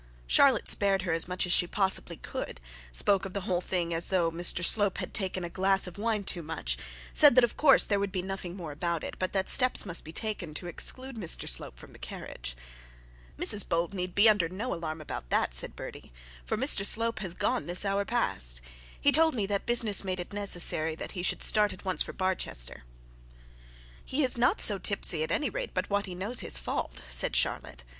Charlotte spared her as much as she possibly could, spoke of the whole thing as though Mr Slope had taken a glass of wine too much, said that of course there would be nothing more about it, but that steps must be taken to exclude Mr Slope from the carriage. 'Mrs Bold need be under no alarm about that,' said Bertie, 'for Mr Slope has gone this hour past. He told me that business made it necessary that he should start at once for Barchester.' 'He is not so tipsy, at any rate, but what he knows his fault,' said Charlotte.